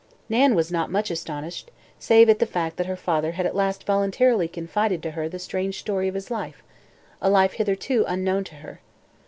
Nan was not much astonished, save at the fact that her father had at last voluntarily confided to her the strange story of his life, a life hitherto unknown to her.